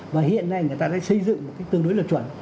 và hiện nay người ta đã xây dựng một cái tương đối là chuẩn